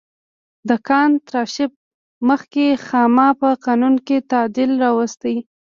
د کان تر کشف مخکې خاما په قانون کې تعدیل راوست.